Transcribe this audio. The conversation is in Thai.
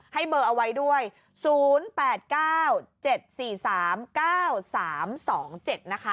ให้เบอร์เอาไว้ด้วย๐๘๙๗๔๓๙๓๒๗นะคะ